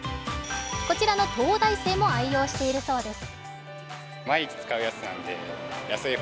こちらの東大生も愛用しているそうです。